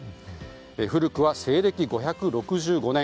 古くは西暦５６５年。